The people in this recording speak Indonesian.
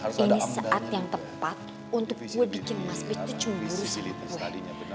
ini saat yang tepat untuk gue bikin masbe itu cumburu sama gue